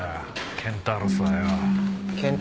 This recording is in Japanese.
ケンタウロスはよ。